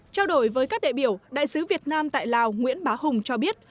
trao đổi với các đại biểu đại sứ việt nam tại lào nguyễn bá hùng cho biết